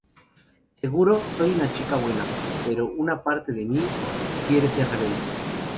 Seguro, soy una chica buena, pero una parte de mi quiere ser rebelde.